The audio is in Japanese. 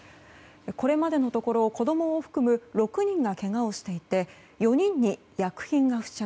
これまでのところ子供を含む６人がけがをしていて４人に薬品が付着。